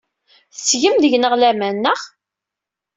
Tettgem deg-neɣ laman, naɣ?